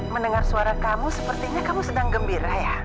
mendengar suara kamu sepertinya kamu sedang gembira ya